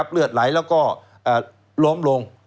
เลือดไหลแล้วก็ล้มลง